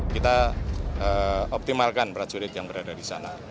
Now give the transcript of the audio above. kita optimalkan prajurit yang berada di sana